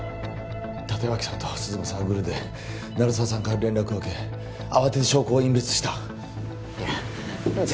立脇さんと鈴間さんはグルで鳴沢さんから連絡を受け慌てて証拠を隠滅したいやじゃ